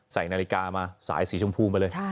ใส่นาฬิกามาสายสีชมพูมาเลย